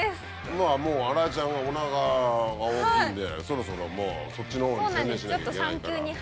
まぁもう新井ちゃんがおなかが大きいんでそろそろもうそっちの方に専念しなきゃいけないから。